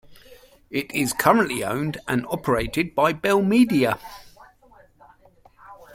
It is currently owned and operated by Bell Media.